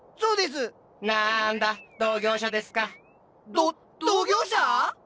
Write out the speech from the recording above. ど同業者⁉